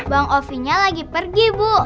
bang ovi nya lagi pergi bu